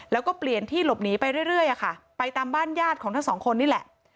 แล้วก็เปลี่ยนที่หลบหนีไปเรื่อยอะค่ะไปตามบ้านญาติของทั้งสองคนนี่แหละ